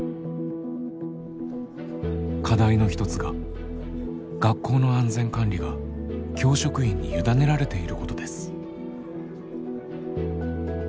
課題の一つが学校の安全管理が教職員に委ねられていることです。